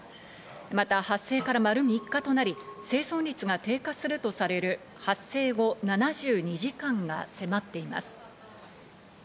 また発生から丸３日となり、生存率が低下するとされる発生後７２時間が迫っています。